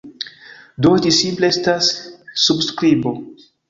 Do, ĝi simple estas subskribo.